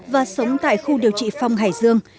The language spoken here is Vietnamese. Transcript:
và sống tại khu điều trị phong hải dương